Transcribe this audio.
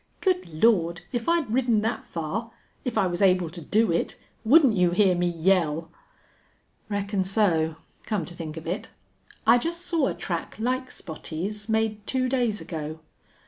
Good Lord! if I'd ridden that far if I was able to do it wouldn't you hear me yell?" "Reckon so, come to think of it. I just saw a track like Spottie's, made two days ago."